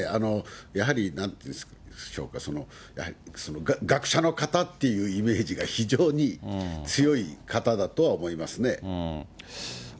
やはりなんていうんでしょうか、学者の方っていうイメージが非常に強い方だとは思いますね。